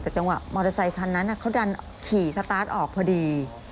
แต่จังหวะมอเตอร์ไซคันนั้นเขาดันขี่สตาร์ทออกพอดี